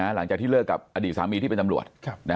หลังจากที่เลิกกับอดีตสามีที่เป็นตำรวจ